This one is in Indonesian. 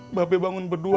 mba be bangun berdua